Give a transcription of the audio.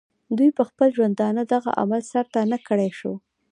دوي پۀ خپل ژوندانۀ دغه عمل سر ته نۀ کړے شو